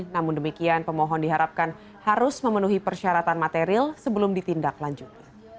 namun demikian pemohon diharapkan harus memenuhi persyaratan material sebelum ditindaklanjuti